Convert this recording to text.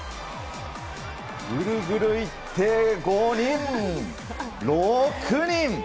ぐるぐる行って５人、６人！